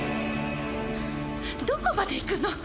どこまで行くの？